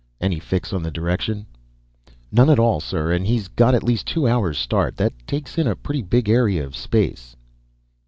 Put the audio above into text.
"Any fix on the direction?" "None at all, sir. And he's got at least a two hours' start. That takes in a pretty big area of space."